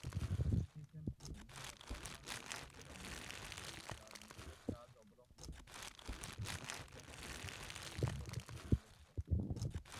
Stephen King "the Shawshank রিডেম্পশন"কে তার নিজের কাজ অবলম্বনে নির্মিত অন্যতম প্রিয় চলচ্চিত্র বলে উল্লেখ করেন।